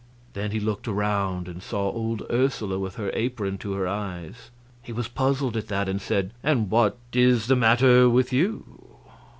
Then he looked around and saw old Ursula with her apron to her eyes. He was puzzled at that, and said, "And what is the matter with you?"